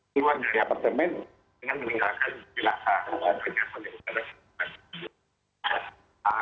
keluar dari apartemen dengan meninggalkan bilah